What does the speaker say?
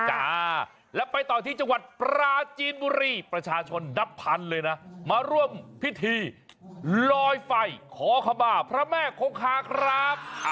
จ้าแล้วไปต่อที่จังหวัดปราจีนบุรีประชาชนนับพันเลยนะมาร่วมพิธีลอยไฟขอขมาพระแม่คงคาครับ